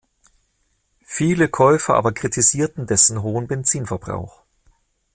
Viele Käufer aber kritisierten dessen hohen Benzinverbrauch.